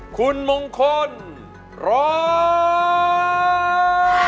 คุณมงคลร้อง